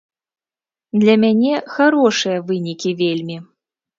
Для мяне харошыя вынікі вельмі.